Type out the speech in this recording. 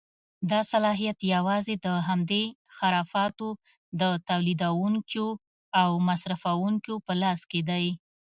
دا صلاحیت یوازې د همدې خرافاتو د تولیدوونکیو او مصرفوونکیو په لاس کې دی.